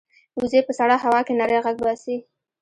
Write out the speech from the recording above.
وزې په سړه هوا کې نری غږ باسي